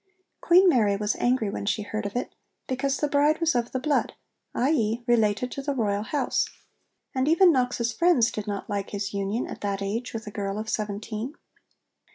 Queen Mary was angry when she heard of it, because the bride 'was of the blood,' i.e. related to the Royal house; and even Knox's friends did not like his union at that age with a girl of seventeen.